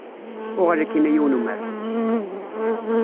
Uɣal akk-in a yiwen umerku!